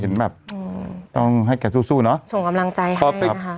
แบบต้องให้แกสู้สู้เนอะส่งกำลังใจให้นะคะ